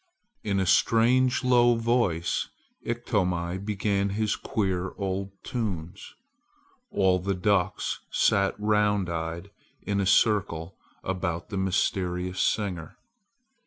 In a strange low voice Iktomi began his queer old tunes. All the ducks sat round eyed in a circle about the mysterious singer.